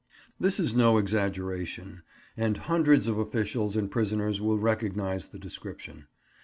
This is no exaggeration, and hundreds of officials and prisoners will recognize the description.